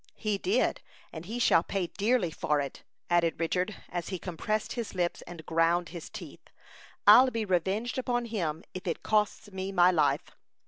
"He did, and he shall pay dearly for it," added Richard, as he compressed his lips and ground his teeth. "I'll be revenged upon him if it costs me my life."